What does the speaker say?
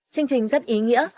chương trình rất ý nghĩa